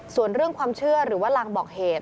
ส่วนเรื่องความเชื่อหรือว่าลางบอกเหตุ